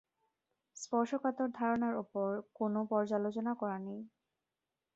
স্পর্শকাতর ধারণার উপর কোনও পর্যালোচনা করা নেই।